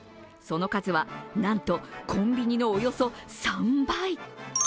その数は、なんとコンビニのおよそ３倍。